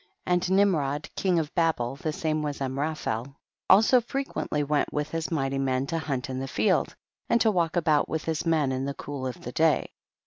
2. And Nimrod king of Babel, the same was Amraphel, also frequently went with his mighty men to hunt in the field, and to walk about with his men in the cool of the day.